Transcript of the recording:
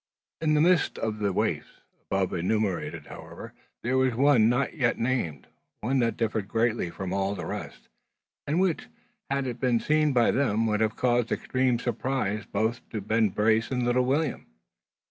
In the midst of the "waifs" above enumerated, however, there was one not yet named, one that differed greatly from all the rest, and which, had it been seen by them, would have caused extreme surprise both to Ben Brace and little William.